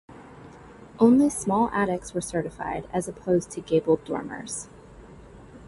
Only small attics were certified as opposed to gabled dormers.